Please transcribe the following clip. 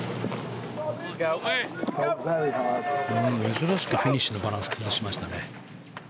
珍しくフィニッシュのバランス崩しましたね。